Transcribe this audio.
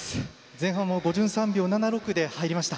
前半は５３秒７６で入りました。